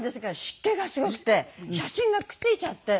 湿気がすごくて写真がくっ付いちゃって。